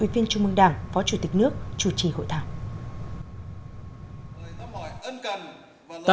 ủy viên trung mương đảng phó chủ tịch nước chủ trì hội thảo